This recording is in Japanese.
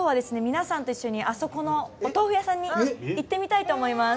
皆さんと一緒にあそこのお豆腐屋さんに行ってみたいと思います。